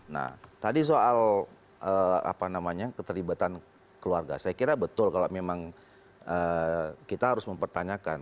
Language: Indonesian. nah tadi soal apa namanya keterlibatan keluarga saya kira betul kalau memang kita harus mempertanyakan